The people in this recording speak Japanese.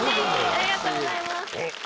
ありがとうございます。